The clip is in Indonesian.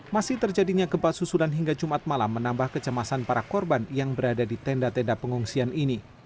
masih terjadinya gempa susulan hingga jumat malam menambah kecemasan para korban yang berada di tenda tenda pengungsian ini